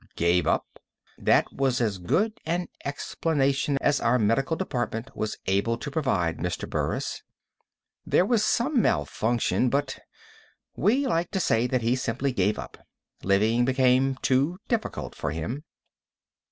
"Gave up?" "That was as good an explanation as our medical department was able to provide, Mr. Burris. There was some malfunction, but we like to say that he simply gave up. Living became too difficult for him."